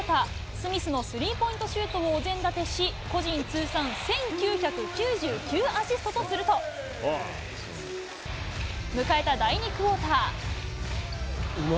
スミスのスリーポイントシュートをお膳立てし、個人通算１９９９アシストとすると、迎えた第２クオーター。